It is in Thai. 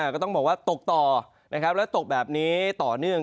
ก็ต้องบอกว่าตกต่อนะครับแล้วตกแบบนี้ต่อเนื่อง